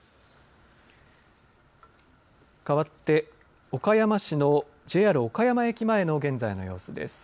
変わって岡山市のＪＲ岡山駅前の現在の様子です。